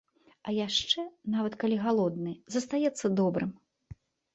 А яшчэ, нават калі галодны, застаецца добрым.